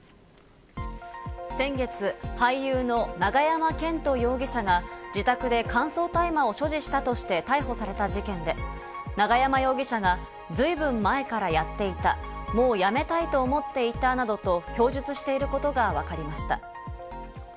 先月、俳優の永山絢斗容疑者が自宅で乾燥大麻を所持したとして逮捕された事件で、永山容疑者がずいぶん前からやっていた、もうやめたいと思っていたなどと供述していることがわかりました。